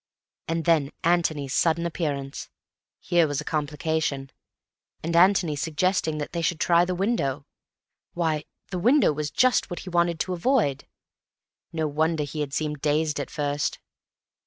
And then Antony's sudden appearance! Here was a complication. And Antony suggesting that they should try the window! Why, the window was just what he wanted to avoid. No wonder he had seemed dazed at first.